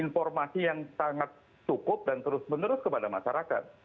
informasi yang sangat cukup dan terus menerus kepada masyarakat